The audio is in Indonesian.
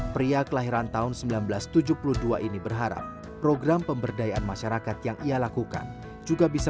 pria kelahiran tahun seribu sembilan ratus tujuh puluh dua ini berharap program pemberdayaan masyarakat yang ia lakukan juga bisa